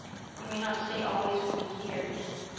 You may not stay always with me here.